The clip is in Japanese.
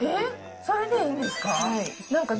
それでいいんですか？